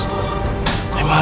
emang aku gak tahu